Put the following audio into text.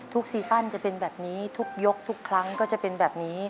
ซีซั่นจะเป็นแบบนี้ทุกยกทุกครั้งก็จะเป็นแบบนี้